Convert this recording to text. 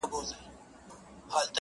له وختونو مي تر زړه ویني څڅیږي،